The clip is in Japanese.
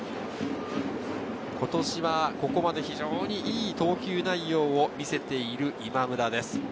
今年はここまで非常にいい投球内容を見せている今村です。